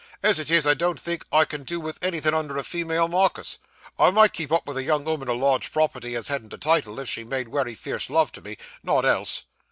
As it is, I don't think I can do with anythin' under a female markis. I might keep up with a young 'ooman o' large property as hadn't a title, if she made wery fierce love to me. Not else.